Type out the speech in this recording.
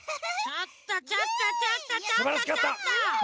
ちょっとちょっとちょっとちょっとちょっと！